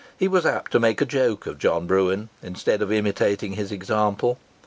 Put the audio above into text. He was apt to make a joke of John Bruen, instead of imitating his example.